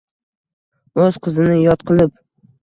Oʼz qizini yot qilib